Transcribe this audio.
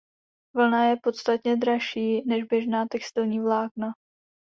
Vlna je podstatně dražší než běžná textilní vlákna.